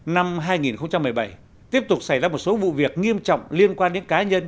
năm hai nghìn một mươi bảy tiếp tục xảy ra một số vụ việc nghiêm trọng liên quan đến cá nhân